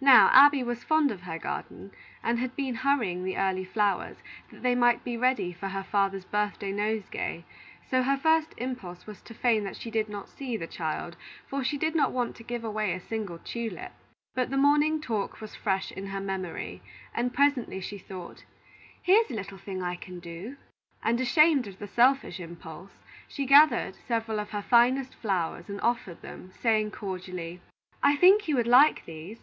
Now, Abby was fond of her garden, and had been hurrying the early flowers, that they might be ready for her father's birthday nosegay; so her first impulse was to feign that she did not see the child, for she did not want to give away a single tulip. But the morning talk was fresh in her memory, and presently she thought: "Here is a little thing I can do;" and ashamed of the selfish impulse, she gathered several of her finest flowers and offered them, saying cordially: "I think you would like these.